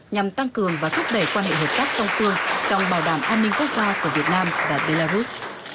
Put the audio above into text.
nhằm tăng cường và thúc đẩy quan hệ hợp tác song phương trong bảo đảm an ninh quốc gia của việt nam và belarus